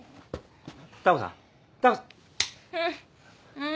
うん。